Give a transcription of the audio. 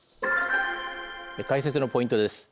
解説のポイントです。